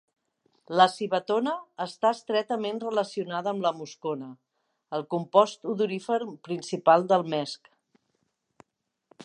La civetona està estretament relacionada amb la muscona, el compost odorífer principal del mesc.